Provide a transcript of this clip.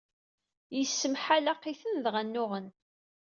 Yessemḥalaqiten, dɣa nnuɣen.